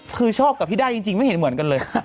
คือชอบกับพี่ได้จริงไม่เห็นเหมือนกันเลย